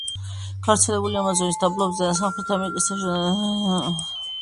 გავრცელებულია ამაზონის დაბლობზე და სამხრეთი ამერიკის ჩრდილოეთით კარიბის ზღვის სანაპირომდე.